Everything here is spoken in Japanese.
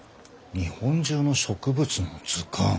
日本中の植物の図鑑？